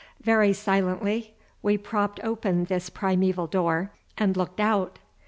Very silently we propped open this primæval door and looked out.